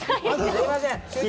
すみません。